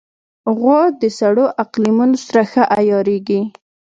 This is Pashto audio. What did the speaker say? غوا د سړو اقلیمونو سره ښه عیارېږي.